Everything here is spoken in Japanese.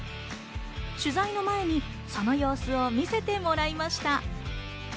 取材の前に、その様子を見せてもらいました。